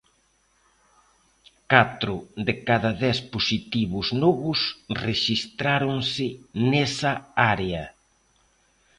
Catro de cada dez positivos novos rexistráronse nesa área.